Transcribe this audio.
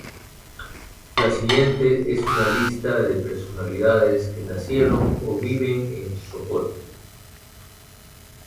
La siguiente es una lista de personalidades que nacieron o viven en Sopot.